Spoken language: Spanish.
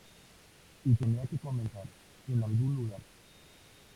Y tenía que comenzar en algún lugar.